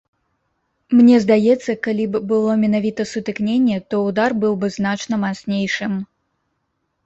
Мне здаецца, калі б было менавіта сутыкненне, то ўдар быў бы значна мацнейшым.